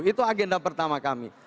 itu agenda pertama kami